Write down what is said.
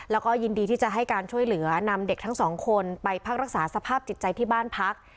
แล้วก็ยินดีที่จะให้การช่วยเหลือนำเด็กทั้งสองคนไปพักรักษาสภาพจิตใจที่บ้านพัก